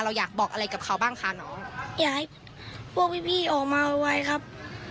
อยากบอกอะไรกับเขาบ้างคะน้องอยากให้พวกพี่พี่ออกมาไวครับ